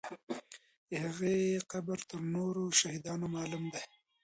د هغې قبر تر نورو شهیدانو معلوم دی.